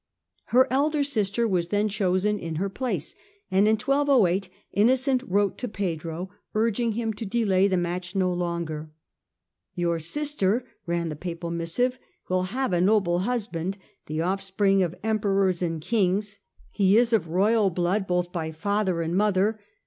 Her elder sister was then chosen in her place, and in 1208 Innocent wrote to Pedro urging him to delay the match no longer. " Your sister," ran the Papal missive, " will have a noble husband, the off spring of Emperors and Kings ; he is of royal blood THE CHILD OF MOTHER CHURCH 31 both by father and mother.